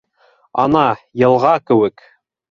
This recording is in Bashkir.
Ана, йылға кеүек.